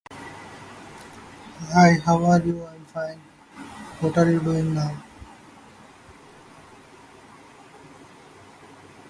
There are two such logos, one for an Autobot, and one for a Decepticon.